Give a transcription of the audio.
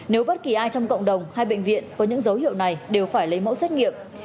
nếu bất kỳ ai trong cộng đồng hay bệnh viện có những dấu hiệu này đều phải lấy mẫu xét nghiệm